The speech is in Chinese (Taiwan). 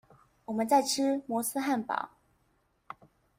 我們在吃摩斯漢堡